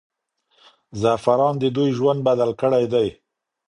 زعفران د دوی ژوند بدل کړی دی.